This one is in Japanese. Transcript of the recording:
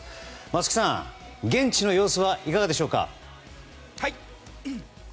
松木さん、現地の様子はいかがでしょうか。